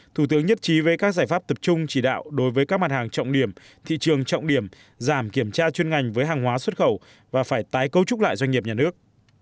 thủ tướng nhất trí về các giải pháp tập trung chỉ đạo đối với các mặt hàng trọng điểm thị trường trọng điểm giảm kiểm tra chuyên ngành với hàng hóa xuất khẩu và phải tái cấu trúc lại doanh nghiệp nhà nước